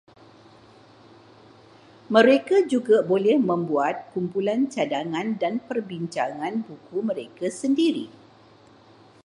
Mereka juga boleh membuat kumpulan cadangan dan perbincangan buku mereka sendiri